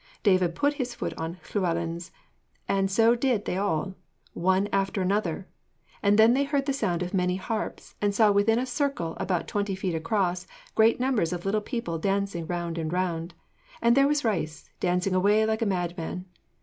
David put his foot on Llewellyn's, and so did they all, one after another; and then they heard the sound of many harps, and saw within a circle about twenty feet across, great numbers of little people dancing round and round. And there was Rhys, dancing away like a madman!